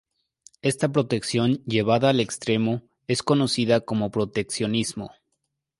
Esta protección, llevada al extremo, es conocida como proteccionismo.